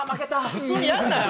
普通にやんなよ！